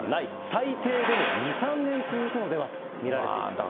最低でも２、３年続くのではと見られています。